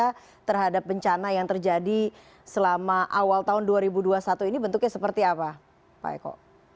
kita terhadap bencana yang terjadi selama awal tahun dua ribu dua puluh satu ini bentuknya seperti apa pak eko